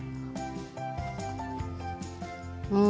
うん。